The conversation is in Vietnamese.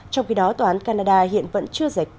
trong khi đó tòa án canada hiện vẫn chưa